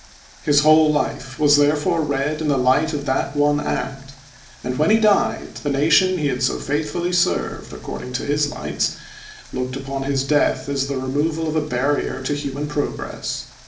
His whole life was therefore read in the light of that one act, and when he died, the nation he had so faithfully served according to his lights looked upon his death as the removal of a barrier to human progress.